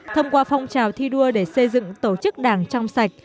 thông qua phong trào thi đua để xây dựng tổ chức đảng trong sạch